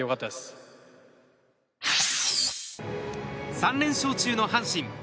３連勝中の阪神。